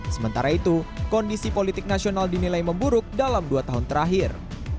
sementara itu kondisi politik nasional dinilai memburuk dalam dua tahun terakhir